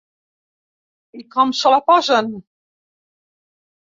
I com se la posen?